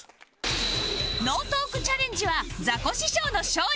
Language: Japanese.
ノートークチャレンジはザコシショウの勝利